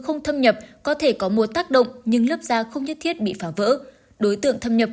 không thâm nhập có thể có mùa tác động nhưng lớp da không nhất thiết bị phá vỡ đối tượng thâm nhập